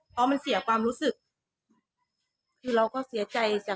เพราะมันเสียความรู้สึกคือเราก็เสียใจจากความที่พ่อเสียแล้ว